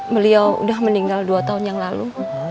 beliau sudah meninggal dua tahun yang lalu